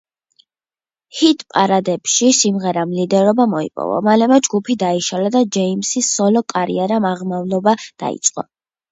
ჰიტ-პარადებში სიმღერამ ლიდერობა მოიპოვა, მალევე ჯგუფი დაიშალა და ჯეიმსის სოლო კარიერამ აღმავლობა დაიწყო.